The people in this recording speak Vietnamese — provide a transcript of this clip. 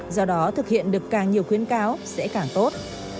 do đó thực hiện được càng nhiều khuyến cáo sẽ càng tốt